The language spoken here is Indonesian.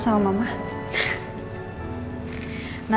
untuk membahagiakan adiknya